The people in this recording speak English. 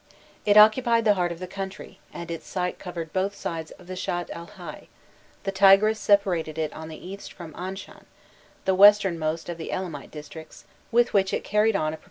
* It occupied the heart of the country, and its site covered both sides of the Shatt el Hai; the Tigris separated it on the east from Anshan, the westernmost of the Elamite districts, with which it carried on a perpetual frontier war.